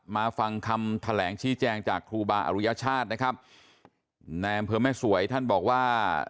มาฟังคำแถลงชี้แจงจากครูบาอรุยชาตินะครับในอำเภอแม่สวยท่านบอกว่า